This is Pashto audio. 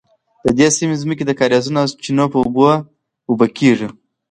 د دې سیمې ځمکې د کاریزونو او چینو په اوبو اوبه کیږي.